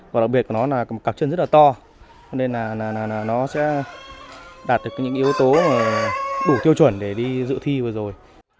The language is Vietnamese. và đặc biệt của nó là cạc chân rất là to cho nên là nó sẽ đạt được những yếu tố đủ tiêu chuẩn để đi dự thi vừa rồi